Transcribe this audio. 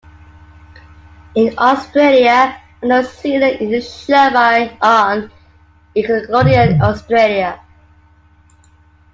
In Australia and New Zealand, it is shown on Nickelodeon Australia.